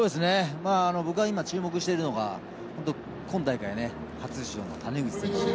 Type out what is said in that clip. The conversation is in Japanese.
僕が今、注目しているのが今大会ね、初出場の谷口選手。